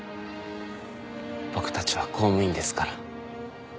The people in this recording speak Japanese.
僕たちは公務員ですから。